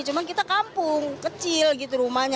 cuma kita kampung kecil gitu rumahnya